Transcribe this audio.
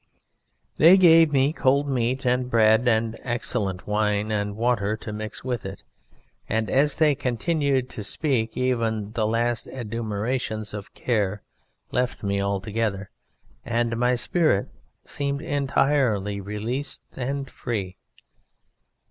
"They gave me cold meat and bread and excellent wine, and water to mix with it, and as they continued to speak even the last adumbrations of care fell off me altogether, and my spirit seemed entirely released and free.